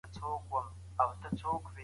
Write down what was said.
د دلارام ولسوال د خلکو مشورې په غور واورېدې.